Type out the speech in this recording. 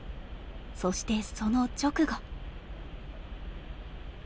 そしてその直後。